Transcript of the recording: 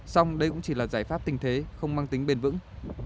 xong đây cũng chỉ là giải pháp tình thế không mang tính bền vững